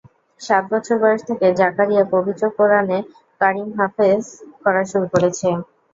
সাত বছর বয়স থেকে জাকারিয়া পবিত্র কোরআনে কারিম হেফজ করা শুরু করেছে।